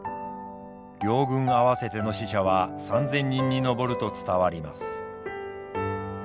両軍合わせての死者は３，０００人に上ると伝わります。